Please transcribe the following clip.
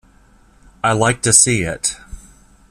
I like to see it.